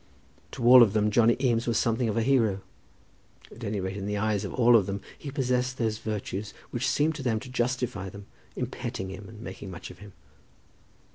To all of them Johnny Eames was something of a hero. At any rate in the eyes of all of them he possessed those virtues which seemed to them to justify them in petting him and making much of him.